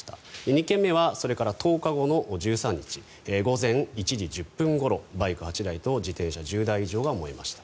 ２件目は、それから１０日後の１３日午前１時１０分ごろバイク８台と自転車１０台以上が燃えました。